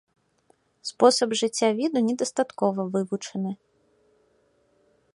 Спосаб жыцця віду недастаткова вывучаны.